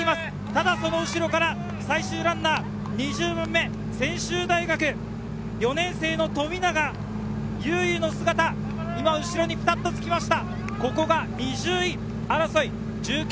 ただその後ろから最終ランナー、２０番目、専修大学・４年生の冨永裕憂の姿、後ろにぴたっとつきました。